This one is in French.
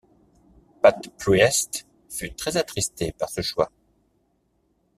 Pat Priest fut très attristée par ce choix.